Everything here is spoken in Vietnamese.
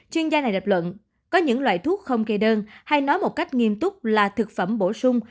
chuyên gia này lập luận có những loại thuốc không kê đơn hay nói một cách nghiêm túc là thực phẩm bổ sung